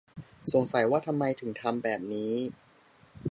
สงสัยว่าทำไมถึงทำแบบนี้